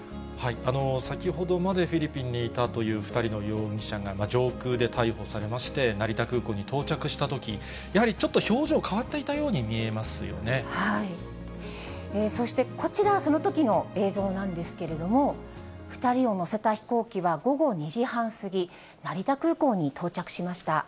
先ほどまでフィリピンにいたという２人の容疑者が上空で逮捕されまして、成田空港に到着したとき、やはりちょっと表情、変わっていたようそしてこちら、そのときの映像なんですけれども、２人を乗せた飛行機は午後２時半過ぎ、成田空港に到着しました。